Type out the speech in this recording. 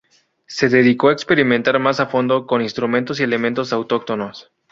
Se dedicó a experimentar más a fondo con instrumentos y elementos autóctonos.